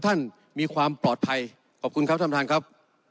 ท่านมีความปลอดภัยขอบคุณครับท่านประธานครับ